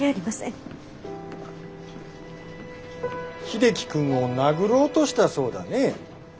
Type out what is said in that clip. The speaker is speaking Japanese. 英樹君を殴ろうとしたそうだね。